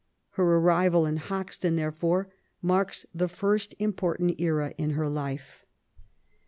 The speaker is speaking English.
Her arrival in Hoxton, therefore, marks the first important era in her life.